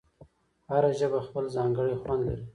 هره ژبه خپل ځانګړی خوند لري.